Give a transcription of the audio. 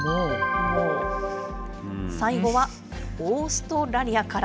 最後はオーストラリアから。